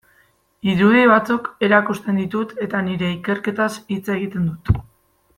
Irudi batzuk erakusten ditut eta nire ikerketaz hitz egiten dut.